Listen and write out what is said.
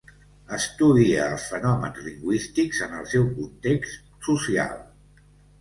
Estudia els fenòmens lingüístics en el seu context social.